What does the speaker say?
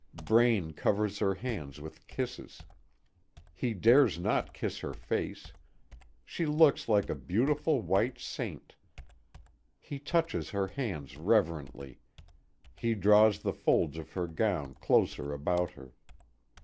Braine covers her hands with kisses. He dares not kiss her face. She looks like a beautiful white saint. He touches her hands reverently. He draws the folds of her gown closer about her.